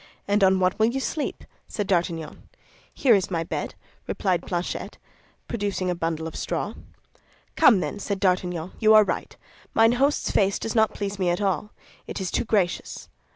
"And on what will you sleep?" said D'Artagnan. "Here is my bed," replied Planchet, producing a bundle of straw. "Come, then," said D'Artagnan, "you are right. Mine host's face does not please me at all; it is too gracious."